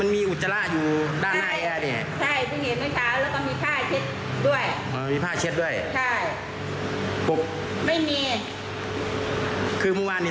ไม่มีตอนนี้